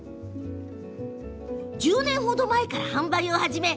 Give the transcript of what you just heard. １０年ほど前から販売を始め